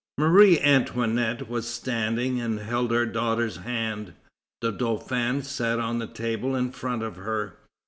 Marie Antoinette was standing, and held her daughter's hand. The Dauphin sat on the table in front of her.